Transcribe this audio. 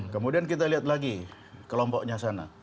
kemudian kita lihat lagi kelompoknya sana